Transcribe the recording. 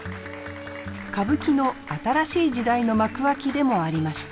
歌舞伎の新しい時代の幕開きでもありました。